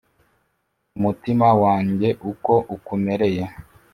umutima wanjye uko ukumereye